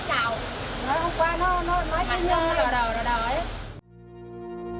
nói không qua nó nó nó nó nó đòi đầu đòi đầu ấy